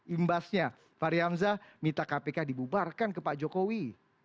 imbasnya fahri hamzah minta kpk dibubarkan ke pak jokowi